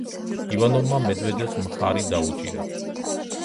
ივანოვმა მედვედევს მხარი დაუჭირა.